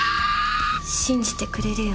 「信じてくれるよね？」